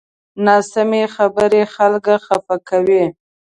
ناسمې خبرې خلک خفه کوي